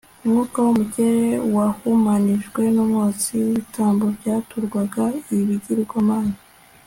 Umwuka wo mu kirere wahumanijwe numwotsi wibitambo byaturwaga ibigirwamana